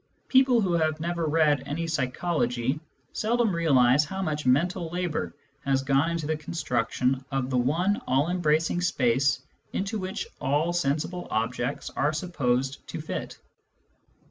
People who have never read any psychology seldom realise how much mental labour has gone into the con struction of the one all embracing space into which all sensible objects are supposed to fit.